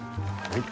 はい。